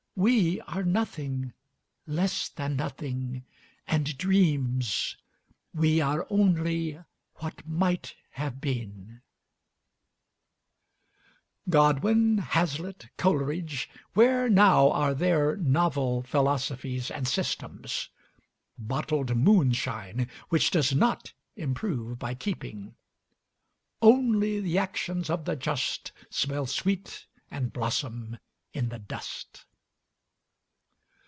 We are nothing, less than nothing, and dreams. We are only what might have been.'" Godwin! Hazlitt! Coleridge! Where now are their "novel philosophies and systems"? Bottled moonshine, which does not improve by keeping. "Only the actions of the just Smell sweet and blossom in the dust."